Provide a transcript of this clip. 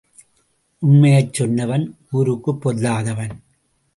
உண்மையைச் சொன்னவன் ஊருக்குப் பொல்லாதவன்.